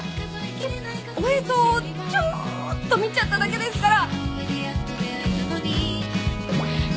ちょっとおへそをちょっと見ちゃっただけですから。